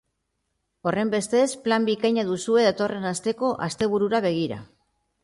Horrenbestez, plan bikaina duzue datorren asteko asteburura begira.